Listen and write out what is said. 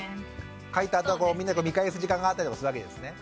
書いたあとはみんなで見返す時間があったりとかするわけですね？